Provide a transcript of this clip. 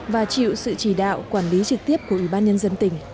và chịu sự chỉ đạo quản lý trực tiếp của ủy ban nhân dân tỉnh